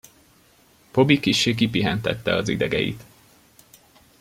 Bobby kissé kipihentette az idegeit.